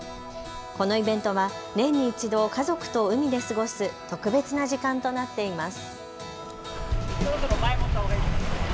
このイベントは年に一度、家族と海で過ごす特別な時間となっています。